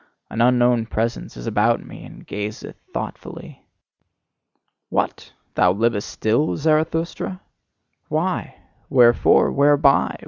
An unknown presence is about me, and gazeth thoughtfully. What! Thou livest still, Zarathustra? Why? Wherefore? Whereby?